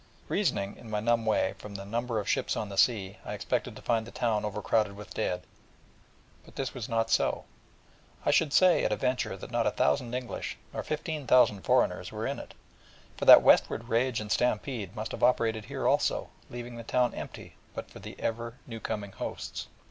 Reasoning, in my numb way, from the number of ships on the sea, I expected to find the town over crowded with dead: but this was not so; and I should say, at a venture, that not a thousand English, nor fifteen thousand foreigners, were in it: for that westward rage and stampede must have operated here also, leaving the town empty but for the ever new coming hosts.